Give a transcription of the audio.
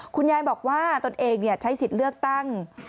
คุณยายบอกว่าตนเองใช้สิทธิ์เลือกตั้ง